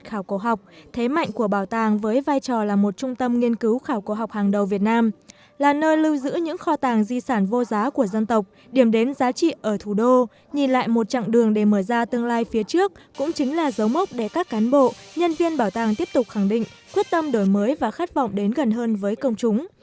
bảo tàng là một trong những trung tâm nghiên cứu khảo cổ học hàng đầu việt nam là nơi lưu giữ những kho tàng di sản vô giá của dân tộc điểm đến giá trị ở thủ đô nhìn lại một chặng đường để mở ra tương lai phía trước cũng chính là dấu mốc để các cán bộ nhân viên bảo tàng tiếp tục khẳng định quyết tâm đổi mới và khát vọng đến gần hơn với công chúng